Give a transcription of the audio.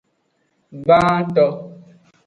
Gbanto.